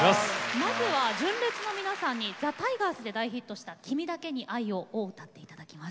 まず、純烈の皆さんにザ・タイガースで大ヒットした「君だけに愛を」を歌っていただきます。